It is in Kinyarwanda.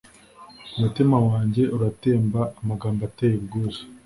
umutima wanjye uratemba amagambo ateye ubwuzu